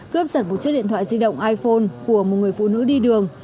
cướp giật một chiếc điện thoại di động iphone của một người phụ nữ đi đường